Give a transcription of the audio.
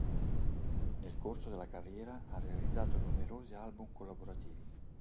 Nel corso della carriera ha realizzato numerosi album collaborativi.